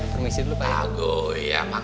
permisi dulu pak